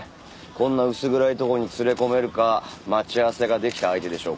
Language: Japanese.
こんな薄暗いとこに連れ込めるか待ち合わせができた相手でしょうから。